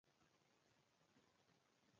دا زموږ د اکثریت لیکوالو ټولیز حال دی.